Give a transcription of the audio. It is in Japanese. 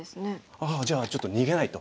ああじゃあちょっと逃げないと。